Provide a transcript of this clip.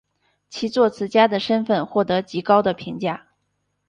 其作词家的身份获得极高的评价。